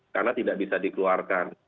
karena tidak bisa dikeluarkan